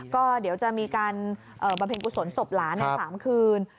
ก็เดี๋ยวจะมีการบำเพ็ญกุศลศพหลานใน๓คืน